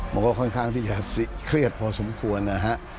มันก็ค่อนข้างที่จะเครียดพอสมควรนะฮะ